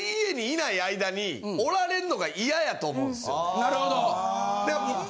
なるほど！